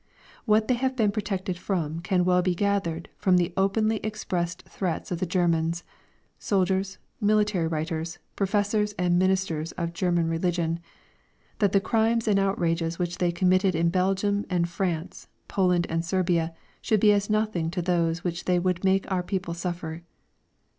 What they have been protected from can well be gathered from the openly expressed threats of the Germans soldiers, military writers, professors and ministers of German religion that the crimes and outrages which they committed in Belgium and France, Poland and Serbia, should be as nothing to those which they would make our people suffer.